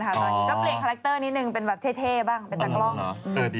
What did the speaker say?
ก็เปลี่ยนคาแรคเตอร์นิดนึงเป็นแบบเท่บ้างเป็นตากล้อง